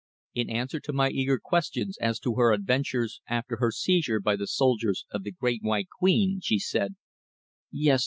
In answer to my eager questions as to her adventures after her seizure by the soldiers of the Great White Queen, she said: "Yes.